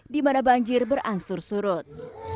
di mana banjir berangsur surut